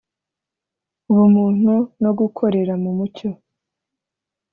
ubumuntu no gukorera mu mucyo